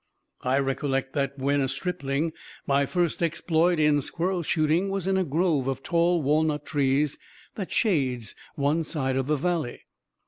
I recollect that, when a stripling, my first exploit in squirrel shooting was in a grove of tall walnut trees that shades one side of the valley.